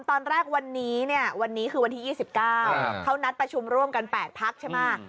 ตอนแรกวันนี้คือวันที่๒๙เขานัดประชุมร่วมกัน๘พักใช่ไหม